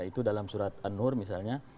itu dalam surat an nur misalnya